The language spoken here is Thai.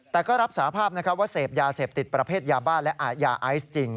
แต่ก็รับสาภาพว่าเสพยาเสพติดประเภทยาบ้าและยาไอซ์จริง